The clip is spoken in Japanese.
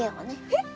えっ？